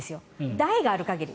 代がある限り。